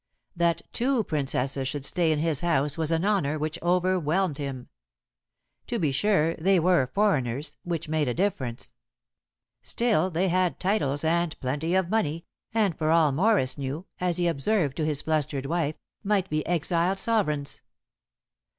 That two Princesses should stay in his house was an honor which overwhelmed him. To be sure, they were foreigners, which made a difference; still, they had titles, and plenty of money, and for all Morris knew as he observed to his flustered wife might be exiled sovereigns.